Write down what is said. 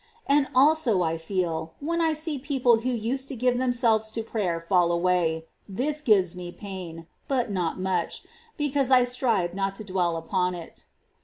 And also I feel, when I see people who used to give themselves to prayer fall away ; this gives me pain, but not much, because I strive not to dwell upon it.